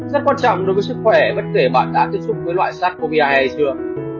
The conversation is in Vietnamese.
rất quan trọng đối với sức khỏe bất kể bạn đã tiếp xúc với loại sars cov hai hay chưa